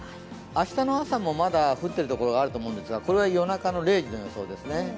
明日の朝もまだ降っているところがあると思いますが、これは夜中の０時の予想ですね。